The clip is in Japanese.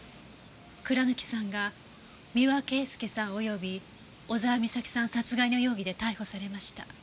倉貫さんが三輪圭祐さん及び小沢美咲さん殺害の容疑で逮捕されました。